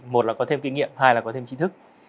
một là có thêm kinh nghiệm hai là có thêm trí thức